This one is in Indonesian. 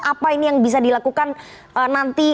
apa ini yang bisa dilakukan nanti